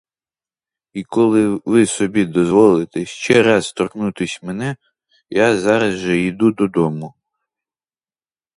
І коли ви собі дозволите ще раз торкнутись мене, я зараз же іду додому.